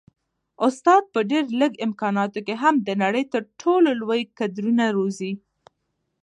استاد په ډېر لږ امکاناتو کي هم د نړۍ تر ټولو لوی کدرونه روزي.